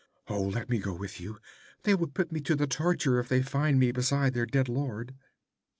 Oh, let me go with you! They will put me to the torture if they find me beside their dead lord.'